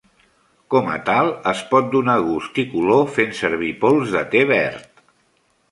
Com a tal, es pot donar gust i color fent servir pols de te verd.